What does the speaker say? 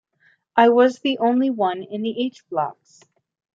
I was the only one in the H-Blocks.